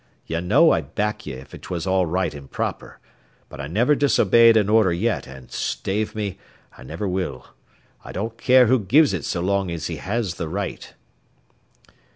Ye know I'd back ye if 'twas all right and proper; but I never disobeyed an order yet, and stave me, I never will. I don't care who gives it so long as he has the right."